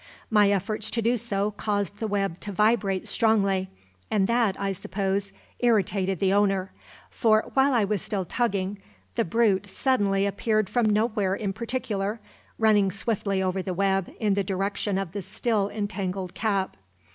My efforts to do so caused the web to vibrate strongly, and that, I suppose, irritated the owner, for while I was still tugging, the brute suddenly appeared from nowhere in particular, running swiftly over the web in the direction of the still entangled cap.